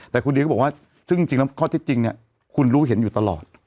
แต่คุณเดียก็บอกว่าซึ่งจริงแล้วข้อเท็จจริงเนี่ยคุณรู้เห็นอยู่ตลอด